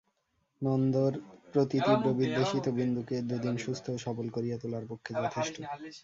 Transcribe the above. নন্দর প্রতি তীব্র বিদ্বেষই তো বিন্দুকে দুদিন সুস্থ ও সবল করিয়া তোলার পক্ষে যথেষ্ট।